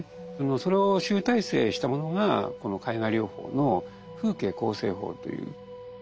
それを集大成したものがこの絵画療法の「風景構成法」という。